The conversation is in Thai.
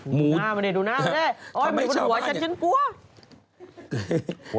ดูหน้ามาเนี่ยดูหน้ามาเนี่ยมันหัวฉันฉันกลัว